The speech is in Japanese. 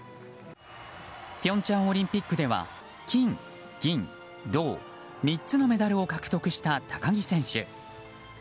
平昌オリンピックでは金銀銅３つのメダルを獲得した高木選手。